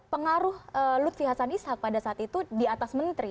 pengaruh lutfi hasan ishak pada saat itu di atas menteri